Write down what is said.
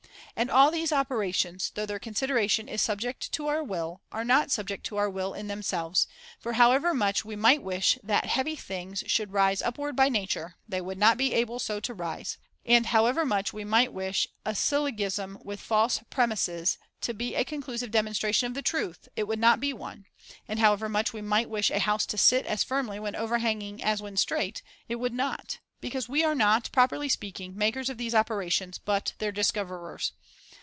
And all these operations, though their consideration is subject to our will, are not subject to our will in themselves, for how ever much we might wish that heavy things should rise upward by nature, they would not be able so to rise ; and however much we might wish a syllogism with false premises to be a con clusive demonstration of the truth, it would not [603 be one ; and however much we might wish a house to sit as firmly when overhanging as when straight, it would not ; because we are not, properly speaking, makers of these operations, but their discoverers.